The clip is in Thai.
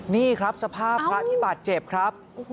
นี่ครับสภาพพระที่บาดเจ็บครับ